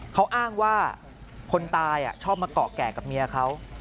เขาอ้างว่าคนตายชอบมาเกาะแก่กับเมียเขา